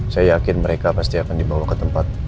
saya yakin mereka pasti akan dibawa ke tempat